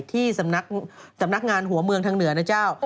ที่สำนักงานหัวเมืองทางเหนือนะเจ้า